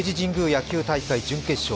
野球大会・準決勝